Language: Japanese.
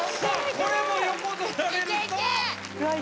これも横取られると・いけいけ！